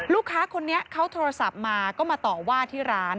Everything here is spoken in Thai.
ลูกค้าคนนี้เขาโทรศัพท์มาก็มาต่อว่าที่ร้าน